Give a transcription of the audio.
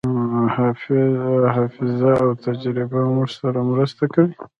حافظه او تجربه موږ سره مرسته کوي.